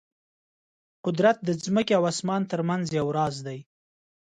قدرت د ځمکې او اسمان ترمنځ یو راز دی.